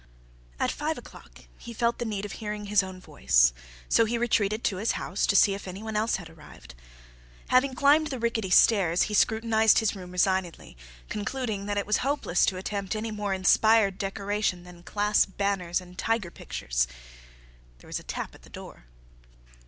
At five o'clock he felt the need of hearing his own voice, so he retreated to his house to see if any one else had arrived. Having climbed the rickety stairs he scrutinized his room resignedly, concluding that it was hopeless to attempt any more inspired decoration than class banners and tiger pictures. There was a tap at the door.